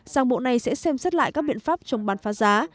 rằng bộ này sẽ xem xét lại các biện pháp chống bán phá giá